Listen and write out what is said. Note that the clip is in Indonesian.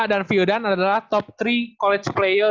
dan vyudhan adalah top tiga college player